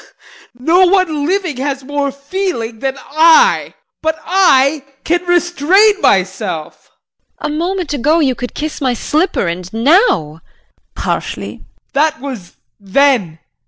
No one living has more feeling than I but I can restrain myself. JULIE. A moment ago you could kiss my slipper and now JEAN [Harshly]. That was then.